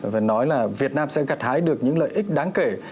phải nói là việt nam sẽ gặt hái được những lợi ích đáng kể